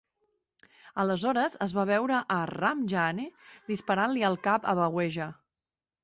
Aleshores es va veure a Ram Jaane disparant-li al cap a Baweja.